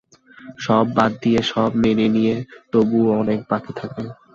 সব বাদ দিয়ে সব মেনে নিয়ে তবু অনেক বাকি থাকে।